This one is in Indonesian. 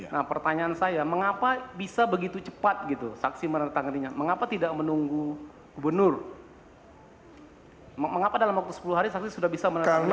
nah pertanyaan saya mengapa bisa begitu cepat gitu saksi menandatanganinya mengapa tidak menunggu gubernur mengapa dalam waktu sepuluh hari saksi sudah bisa menandatangani